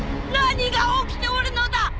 何が起きておるのだ！